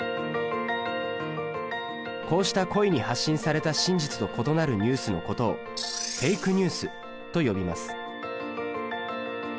こうした故意に発信された真実と異なるニュースのことをフェイクニュースと呼びます